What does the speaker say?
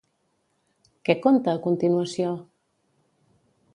Què conta a continuació?